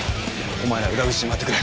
お前ら裏口に回ってくれ。